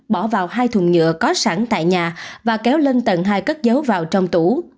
bỏ vào hai thùng nhựa có sẵn tại nhà và kéo lên tầng hai cất dấu vào trong tủ